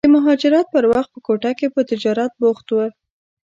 د مهاجرت پر وخت په کوټه کې په تجارت بوخت و.